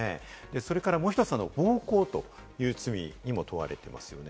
それからもう１つ、暴行という罪にも問われていますよね。